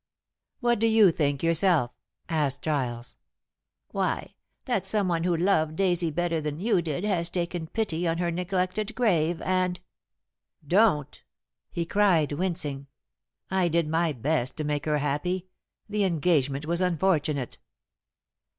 "What do you think yourself?" asked Giles. "Why, that some one who loved Daisy better than you did has taken pity on her neglected grave, and " "Don't!" he cried, wincing. "I did my best to make her happy. The engagement was unfortunate."